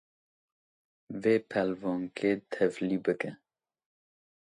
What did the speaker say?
Vê peldankê tevlî bike.